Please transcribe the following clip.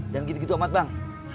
gitu gitu amat bang